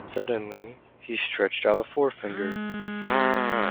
Suddenly he stretched out a forefinger.